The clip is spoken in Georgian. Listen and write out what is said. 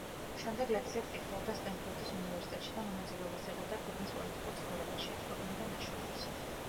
შემდეგ ლექციებს კითხულობდა სტენფორდის უნივერსიტეტში და მონაწილეობას იღებდა ქვეყნის პოლიტიკურ ცხოვრებაში, აქვეყნებდა ნაშრომებს.